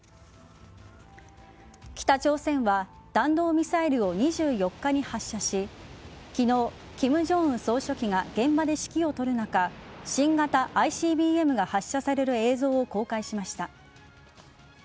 北朝鮮は弾道ミサイルを２４日に発射し昨日、金正恩総書記が現場で指揮を執る中新型ＩＣＢＭが発射される映像を公開しました。